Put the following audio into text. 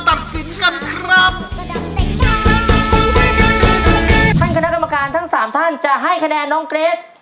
คณะกรรมการทั้งสามท่านจะให้คะแนนน้องเกรท